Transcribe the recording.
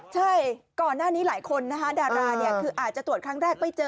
ใช่ก่อนหน้านี้หลายคนนะคะดาราเนี่ยคืออาจจะตรวจครั้งแรกไม่เจอ